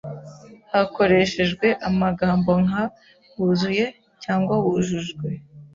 hakoreshejwe amagambo nka "wuzuye" cyangwa wujujwe